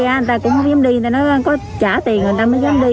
người ta cũng không dám đi người ta có trả tiền người ta mới dám đi